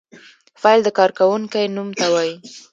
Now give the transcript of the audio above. فاعل د کار کوونکی نوم ته وايي.